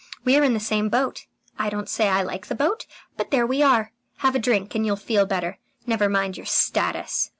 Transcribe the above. We're in the same boat: I don't say I like the boat, but there we are. Have a drink, and you'll feel better. Never mind your status."